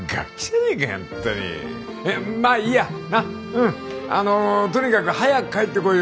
うんあのとにかく早く帰ってこいよ。